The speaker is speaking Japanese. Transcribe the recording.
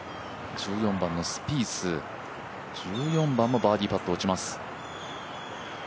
１４番のスピース、１４番のバーディーパットを打ちます。